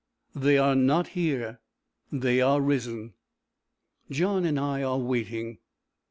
THEY ARE NOT HERE; THEY ARE RISEN. John and I are waiting.